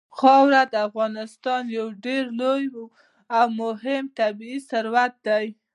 خاوره د افغانستان یو ډېر لوی او مهم طبعي ثروت دی.